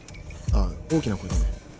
あっ大きな声でね。